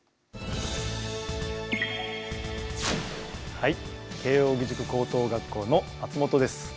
はい慶應義塾高等学校の松本です。